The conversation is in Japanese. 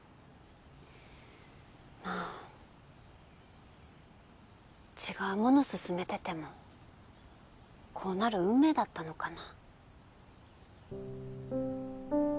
まあ違うもの勧めててもこうなる運命だったのかな。